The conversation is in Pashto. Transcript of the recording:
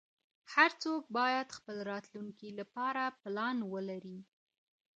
هر څوک باید خپل راتلونکې لپاره پلان ولری